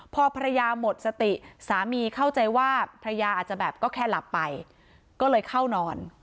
พอภรรยาหมดสติสามีเข้าใจว่าภรรยาอาจจะแบบก็แค่หลับไปก็เลยเข้านอน